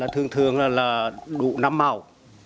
thường thường là đủ năm màu